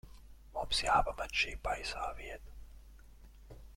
Mums jāpamet šī baisā vieta.